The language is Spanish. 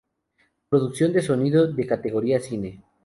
Producción de sonido de categoría: cine